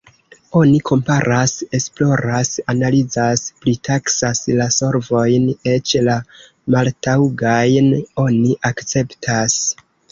Oni komparas, esploras, analizas, pritaksas la solvojn, eĉ la maltaŭgajn oni akceptas.